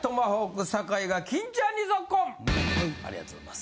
ありがとうございます。